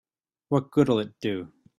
What good'll it do?